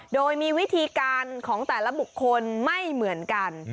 โดยมีวิธีการของแต่ละบุคคลไม่เหมือนกัน